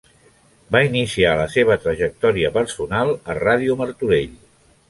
Va iniciar la seva trajectòria personal a Ràdio Martorell.